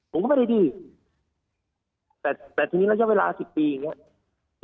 ผมก็ไม่ได้ดื้อแต่แต่ทีนี้ระยะเวลาสิบปีอย่างเงี้ย